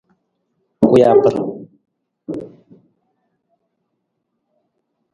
Kuyabre.